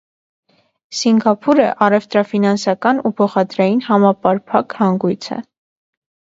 Սինկափուրը առևտրաֆինանսական ու փոխադրային համապարփակ հանգոյց է։